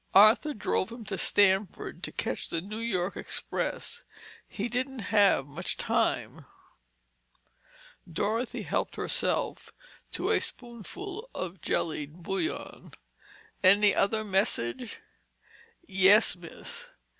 Arthur drove him to Stamford to catch the New York express—he didn't have much time." Dorothy helped herself to a spoonful of jellied bouillon. "Any other message?" "Yes, miss.